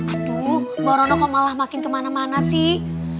aduh mbak rono kok malah makin kemana mana sih